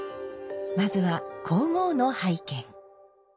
まずは香合の拝見。